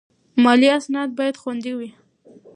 مالي اسناد باید خوندي وي.